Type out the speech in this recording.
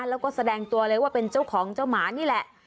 แล้วก็แสดงตัวเลยว่าเป็นเจ้าของเจ้าหมานี่แหละ